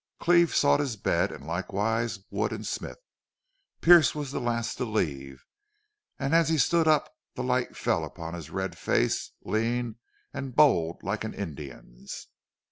Cleve sought his bed, and likewise Wood and Smith. Pearce was the last to leave, and as he stood up the light fell upon his red face, lean and bold like an Indian's.